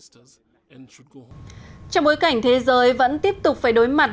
trong bối cảnh thế giới vẫn tiếp tục phải đối mặt